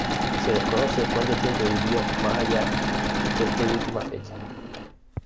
Se desconoce cuánto tiempo vivió más allá de este última fecha.